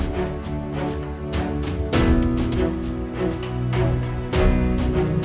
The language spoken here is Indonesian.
sus jaga baby baiknya